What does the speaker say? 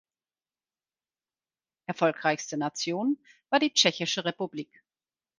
Erfolgreichste Nation war die Tschechische Republik.